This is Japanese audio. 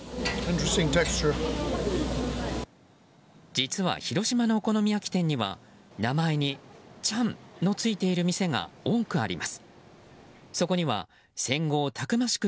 実は広島のお好み焼き店には名前に「ちゃん」のついている店があちぃ。